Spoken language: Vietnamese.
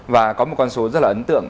và có một con số rất là ấn tượng